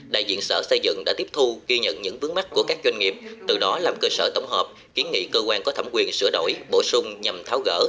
đại diện sở xây dựng đã tiếp thu ghi nhận những vướng mắt của các doanh nghiệp từ đó làm cơ sở tổng hợp kiến nghị cơ quan có thẩm quyền sửa đổi bổ sung nhằm tháo gỡ